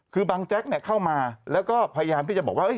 คือบางแจ๊กเข้ามาแล้วก็พยายามที่จะบอกว่า